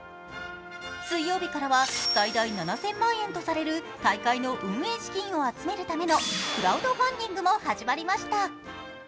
水曜日からは最大７０００万円とされる大会の運営資金を集めるためのクラウドファンディングも始まりました。